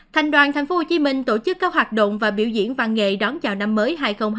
thành đoàn tp hcm tổ chức các hoạt động và biểu diễn văn nghệ đón chào năm mới hai nghìn hai mươi